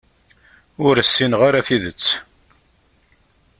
Ur ssineɣ ara tidet.